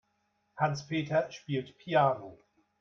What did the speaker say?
Hans-Peter spielt Piano.